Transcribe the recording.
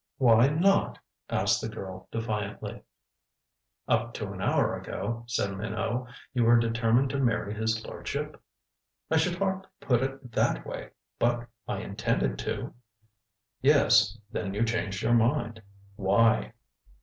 "Why not?" asked the girl defiantly. "Up to an hour ago," said Minot, "you were determined to marry his lordship?" "I should hardly put it that way. But I intended to." "Yes. Then you changed your mind. Why?"